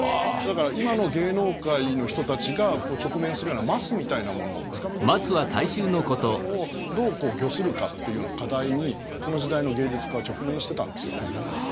だから今の芸能界の人たちが直面するようなマスみたいなものをつかみどころのないマスみたいなものをどう御するかっていうような課題にこの時代の芸術家は直面してたんですよね。